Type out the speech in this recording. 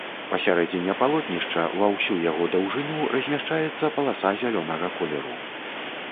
Пасярэдзіне палотнішча ва ўсю яго даўжыню размяшчаецца паласа зялёнага колеру.